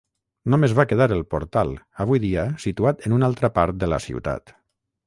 Només va quedar el portal avui dia situat en una altra part de la ciutat.